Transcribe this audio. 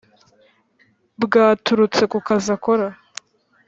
Bwaturutse ku kazi akora